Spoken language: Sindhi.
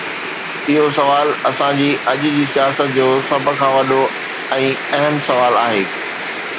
اهو سوال اسان جي اڄ جي سياست جو سڀ کان وڏو ۽ اهم سوال آهي.